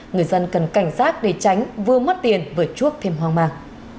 người dân cần cảnh sát để tránh vừa mất tiền vừa chuốc thêm hoang mạc